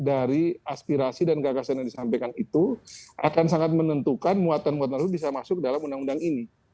dari aspirasi dan gagasan yang disampaikan itu akan sangat menentukan muatan muatan itu bisa masuk dalam undang undang ini